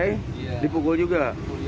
iya dipukul juga